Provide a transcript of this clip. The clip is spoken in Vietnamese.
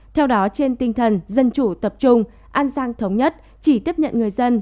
theo đó trên tinh thần dân chủ tập trung an giang thống nhất chỉ tiếp nhận người dân